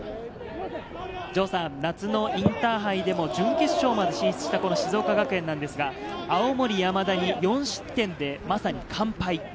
夏のインターハイでも準決勝まで進出した静岡学園ですが、青森山田に４失点でまさに完敗。